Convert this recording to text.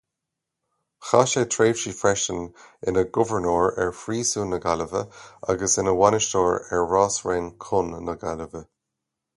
Chaith sé tréimhsí freisin ina ghobharnóir ar phríosún na Gaillimhe agus ina bhainisteoir ar rásraon con na Gaillimhe.